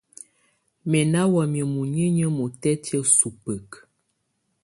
Mɛ̀ nà wamɛ̀á muninyǝ́ mutɛtɛ̀á subǝkǝ.